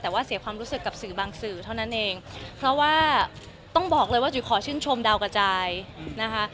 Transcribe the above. แต่ว่าเสียความรู้สึกกับสื่อบางสื่อเท่านั้นเองเพราะว่าต้องบอกเลยว่าจุ๋ยขอชื่นชมดาวกระจายนะคะ